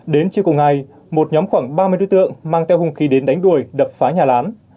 đến chiều cùng ngày một nhóm khoảng ba mươi đối tượng mang theo hung khí đến đánh đuổi đập phá nhà lán